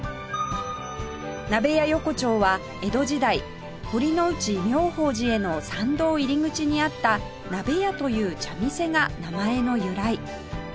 鍋屋横丁は江戸時代堀之内妙法寺への参道入り口にあった「鍋屋」という茶店が名前の由来